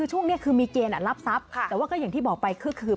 ที่ช่วงนี้คือมีเกณฑ์รับทรัพย์แต่ไว้ที่บอกไปค่ะ